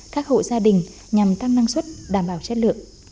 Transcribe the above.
các hộ gia đình nhằm tăng năng suất đảm bảo chất lượng